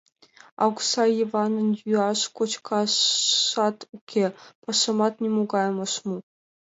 А окса Йыванын йӱаш-кочкашат уке, пашамат нимогайым ыш му.